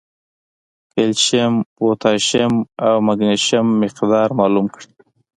کېلشیم ، پوټاشیم او مېګنيشم مقدار معلوم کړي